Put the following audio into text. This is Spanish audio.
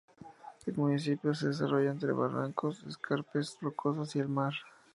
El municipio se desarrolla entre barrancos, escarpes rocosos y el mar.